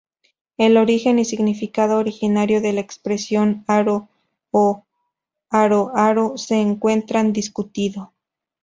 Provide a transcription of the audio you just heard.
El origen y significado originario de la expresión "aro" o "aro-aro" se encuentra discutido.